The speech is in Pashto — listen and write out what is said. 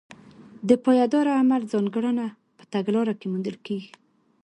د پایداره عمل ځانګړنه په تګلاره کې موندل کېږي.